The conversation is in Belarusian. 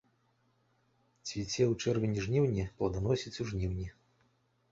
Цвіце ў чэрвені-жніўні, пладаносіць у жніўні.